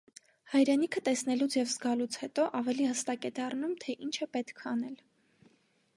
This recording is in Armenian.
Հայրենիքը տեսնելուց և զգալուց հետո ավելի հստակ է դառնում, թե ինչ է պետք անել։